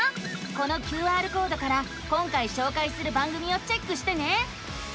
このＱＲコードから今回しょうかいする番組をチェックしてね。